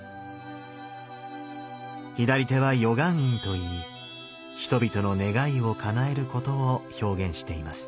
左手は与願印と言い人々の願いをかなえることを表現しています。